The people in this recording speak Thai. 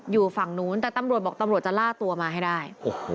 อยู่ฝั่งนู้นแต่ตำรวจบอกตำรวจจะล่าตัวมาให้ได้